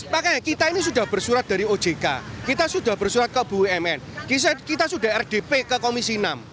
makanya kita ini sudah bersurat dari ojk kita sudah bersurat ke bumn kita sudah rdp ke komisi enam